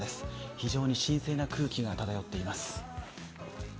非常に神聖な空気が漂っています。